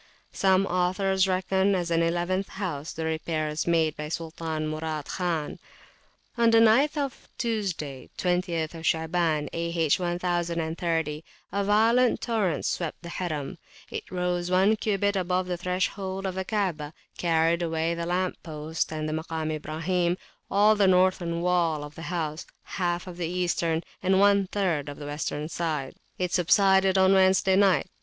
Some authors reckon, as an eleventh house, the repairs made by Sultan Murad Khan. On the night of Tuesday, 20th Shaaban, A.H. 1030, a violent torrent swept the Harim; it rose one cubit above the threshold of the Kaabah, carried away the lamp posts and the [p.325] Makam Ibrahim, all the northern wall of the house, half of the eastern, and one third of the western side. It subsided on Wednesday night.